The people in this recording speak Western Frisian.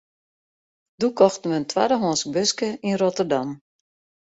Doe kochten we in twaddehânsk buske yn Rotterdam.